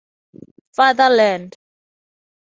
Fatherland.